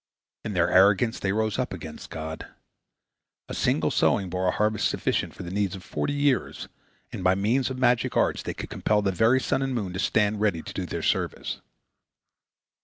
In their arrogance they rose up against God. A single sowing bore a harvest sufficient for the needs of forty years, and by means of magic arts they could compel the very sun and moon to stand ready to do their service.